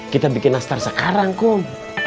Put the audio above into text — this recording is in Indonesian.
kita bikin nastar sekarang kok